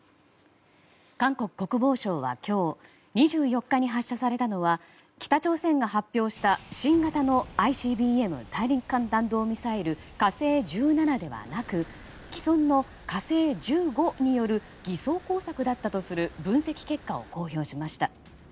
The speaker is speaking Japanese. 韓国国防省は今日２４日に発射されたのは北朝鮮が発表した新型のＩＣＢＭ・大陸間弾道ミサイル「火星１７」ではなく既存の「火星１５」による偽装工作だったとする分析結果を公表しました。